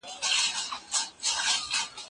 ایا افغان سوداګر وچه میوه پروسس کوي؟